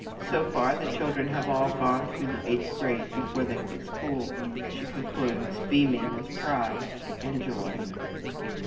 So far the children have all gone through the eighth grade before they quit school," she concludes, beaming with pride and joy.